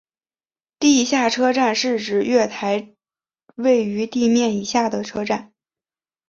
地下车站是指月台位于地面以下的车站。